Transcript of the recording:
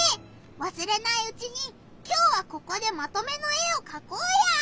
わすれないうちにきょうはここでまとめの絵をかこうよ！